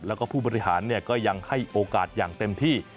แล้วก็ผู้บริหารก็ยังให้โอกาสอย่างเต็มที่